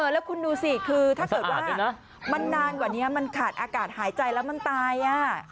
แล้วคุณดูสิคือถ้าเกิดว่ามันนานกว่านี้มันขาดอากาศหายใจแล้วมันตาย